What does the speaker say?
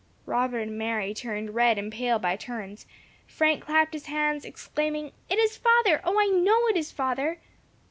Robert and Mary turned red and pale by turns. Frank clapped his hands, exclaiming, "It is father! O, I know it is father!"